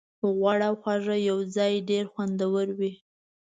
غوړ او خوږه یوځای ډېر خوندور وي.